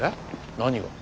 何が？